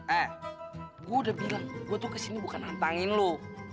eh gue udah bilang gue tuh kesini bukan nampangin lo